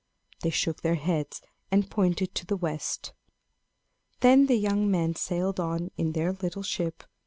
They shook their heads and pointed to the west. Then the young men sailed on in their little ship.